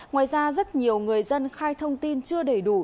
ngoài ra rất nhiều người dân khai thông tin chưa đầy đủ